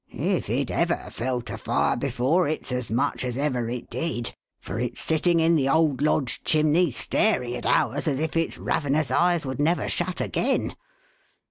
If it ever felt a fire before, it's as much as ever it did ; for it's sitting in the old Lodge chimney, staring at ours as if its ravenous eyes would never shut again.